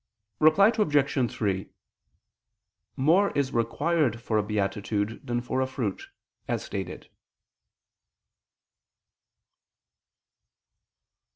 Reply Obj. 3: More is required for a beatitude than for a fruit, as stated.